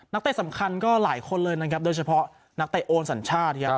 เตะสำคัญก็หลายคนเลยนะครับโดยเฉพาะนักเตะโอนสัญชาติครับ